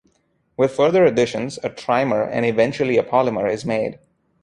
With further additions, a trimer and eventually a polymer is made.